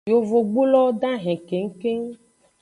Yovogbulowo dahen kengkeng.